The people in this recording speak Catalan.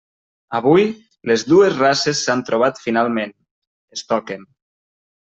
Avui, les dues races s'han trobat finalment; es toquen.